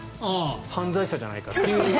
犯罪者じゃないから。